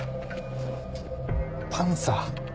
パンサー？